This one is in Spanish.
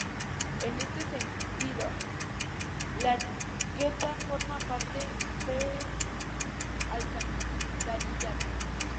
En este sentido, la arqueta forma parte del alcantarillado.